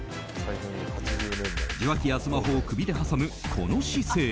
受話器やスマホを首で挟むこの姿勢。